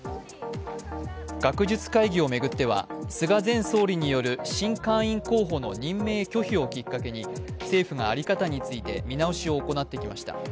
学術会議を巡っては菅前総理による新会員候補の任命拒否をきっかけに政府が在り方について見直しを行ってきました。